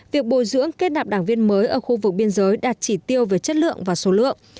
việc bồi dưỡng kết nạp đảng viên mới ở khu vực biên giới đạt chỉ tiêu về chất lượng và số lượng